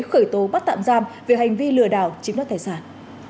khởi tố bắt tạm giam vì hành vi lừa đảo chiếm đoạt tài sản